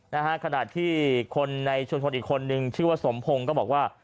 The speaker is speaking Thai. นะฮะขณะที่คนในชุมชนอีกคนนึงชื่อว่าสมพงศ์ก็บอกว่า